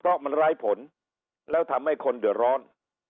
เพราะมันร้ายผลแล้วทำให้คนเดือดร้อน